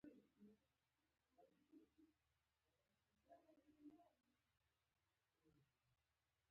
له روان څپرکي په اقتباس غواړم یو کس در وپېژنم